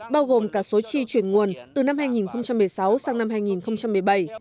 bao gồm cả số chi chuyển nguồn từ năm hai nghìn một mươi sáu sang năm hai nghìn một mươi bảy